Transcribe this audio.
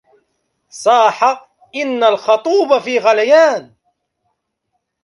صاح إن الخطوب في غليان